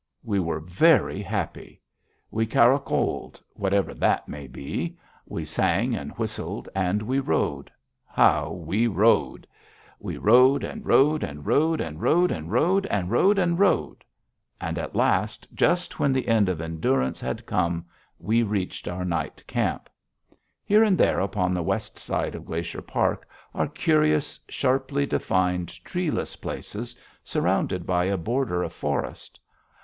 We were very happy. We caracoled whatever that may be. We sang and whistled, and we rode. How we rode! We rode, and rode, and rode, and rode, and rode, and rode, and rode. And, at last, just when the end of endurance had come, we reached our night camp. Here and there upon the west side of Glacier Park are curious, sharply defined treeless places, surrounded by a border of forest.